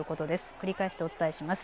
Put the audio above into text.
繰り返しとお伝えします。